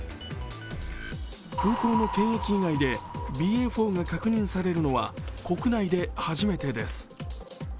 空港の検疫以外でＢＡ．４が確認されるのは国内で初めてです。